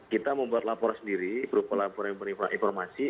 kita membuat laporan sendiri berupa laporan informasi